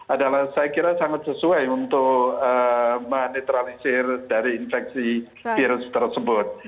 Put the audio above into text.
adalah saya kira sangat sesuai untuk menetralisir dari infeksi virus tersebut